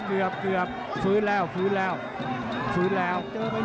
เผื่อฟื้นแล้ว